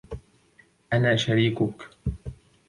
أنا شريكك.